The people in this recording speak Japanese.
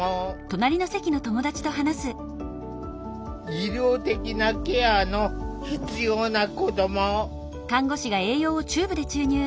医療的なケアの必要な子ども。